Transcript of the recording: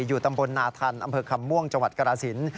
อยู่ตำบลนาทันอำเภอคำม่วงจกราศิลป์